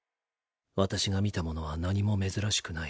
私が見たものは何も珍しくない。